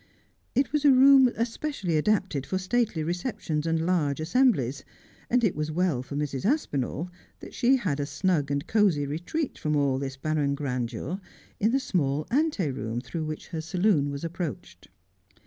It was a room especially adapted for stately receptions and large assemblies, and it was well for Mrs. Aspinall that she had a snug and cosy retreat from ali this barren grandeur in the small ante room through which her saloon was approached.